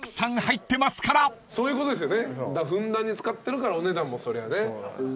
ふんだんに使ってるからお値段もそりゃね。